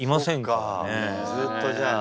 ずっとじゃあ。